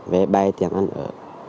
vé bay tiền ăn ở